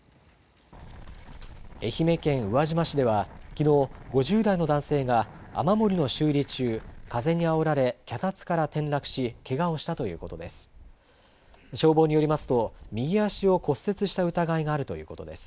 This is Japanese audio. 愛媛県宇和島市では、きのう、５０代の男性が雨漏りの修理中、風にあおられ、脚立から転落し、けがをしたということです。